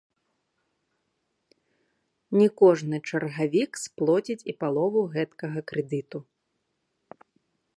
Не кожны чаргавік сплоціць і палову гэткага крэдыту.